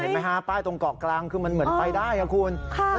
เอาไว้หาป้ายตรงก่อกกลางคือเหมือนไปได้คุณ